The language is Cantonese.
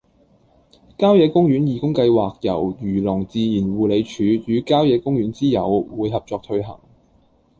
郊野公園義工計劃由漁農自然護理署與郊野公園之友會合作推行